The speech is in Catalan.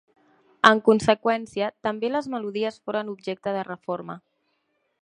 En conseqüència, també les melodies foren objecte de reforma.